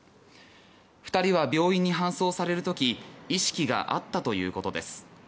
２人は病院に搬送される時意識があったということです。